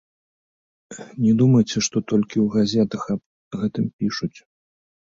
Не думайце, што толькі ў газетах аб гэтым пішуць.